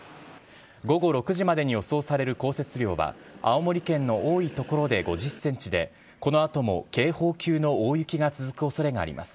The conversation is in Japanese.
午後６時までに予想される降雪量は、青森県の多い所で５０センチで、このあとも警報級の大雪が続くおそれがあります。